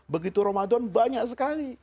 begitu ramadan banyak sekali